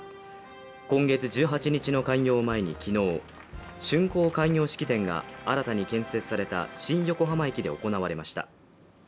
今月１８日の開業を前に昨日竣工開業式典が新たに建設された新横浜駅で行われました。